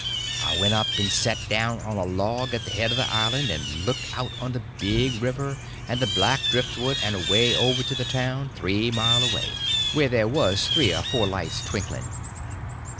I went up and set down on a log at the head of the island, and looked out on the big river and the black driftwood and away over to the town, three mile away, where there was three or four lights twinkling.